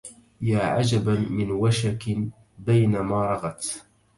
يا عجبا من وشك بين ما رغت